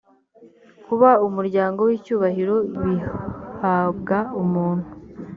kuba umuryango w icyubahiro bihabwa umuntu